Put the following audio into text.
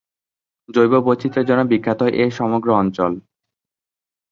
জৈব-বৈচিত্রের জন্য বিখ্যাত এই সমগ্র অঞ্চল।